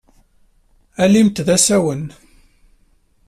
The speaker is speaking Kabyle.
Alimt d asawen.